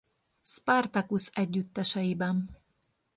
Spartacus együtteseiben.